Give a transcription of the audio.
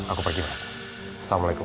aku pergi pak assalamualaikum